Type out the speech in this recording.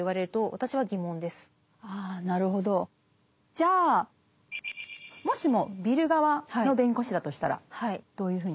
じゃあもしもビル側の弁護士だとしたらどういうふうに？